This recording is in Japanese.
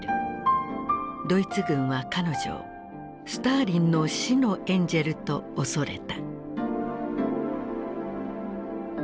ドイツ軍は彼女を「スターリンの死のエンジェル」と恐れた。